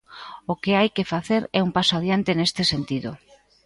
O que hai que facer é un paso adiante neste sentido.